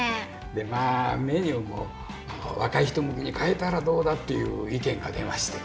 でまあメニューも若い人向けに変えたらどうだっていう意見が出ましてね。